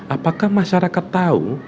apakah masyarakat tahu